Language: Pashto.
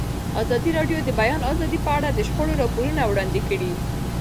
ازادي راډیو د د بیان آزادي په اړه د شخړو راپورونه وړاندې کړي.